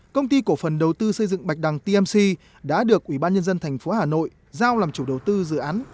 công ty cổ phần đầu tư xây dựng bạch đằng tmc đã được ủy ban nhân dân thành phố hà nội giao làm chủ đầu tư dự án